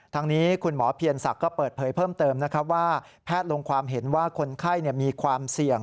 ทั้งนี้คุณหมอเพียรษักก็เปิดเผยเพิ่มเติมนะครับว่า